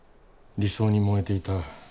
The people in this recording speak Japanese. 理想に燃えていた